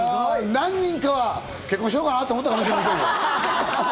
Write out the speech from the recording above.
何人かは結婚しようかな？と思ったかもしれませんよ。